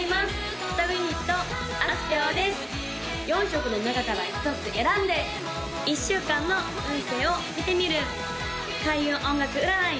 ４色の中から１つ選んで１週間の運勢を見てみる開運音楽占い